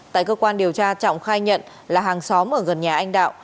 tại cơ quan điều tra trọng khai nhận là hàng xóm ở gần nhà anh đạo